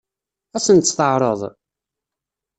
Ad sent-tt-teɛṛeḍ?